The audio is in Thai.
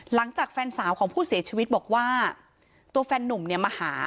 หลังจากแฟนสาวของผู้เสียชีวิตบอกว่าตัวแฟนนุ่มเนี่ยมาหา